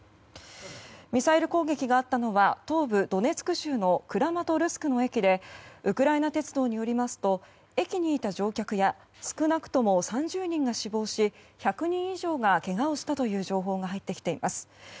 ミサイル攻撃があったのは東部ドネツク州のクラマトルスクの駅でウクライナ鉄道によりますと駅にいた乗客や少なくとも３０人が死亡し１００人以上がけがをしたという情報が入ってきています。